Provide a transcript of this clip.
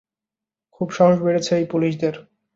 খুব সাহস বেড়েছে এই পুলিশদের।